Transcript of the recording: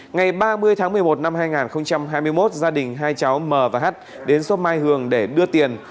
ngày ba mươi tháng một mươi một năm hai nghìn hai mươi một gia đình hai cháu m và h đến xóm mai hường để đưa tiền